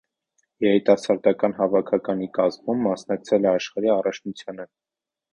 Երիտասարդական հավաքականի կազմում մասնակցել է աշխարհի առաջնությանը։